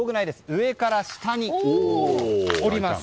上から下に折ります。